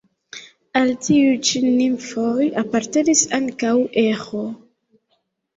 Al tiuj ĉi nimfoj apartenis ankaŭ Eĥo.